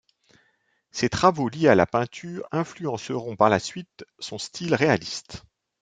Ces travaux liés à la peinture influenceront par la suite son style réaliste.